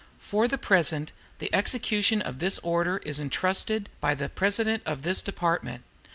"For the present, the execution of the order is intrusted by the President to this Department.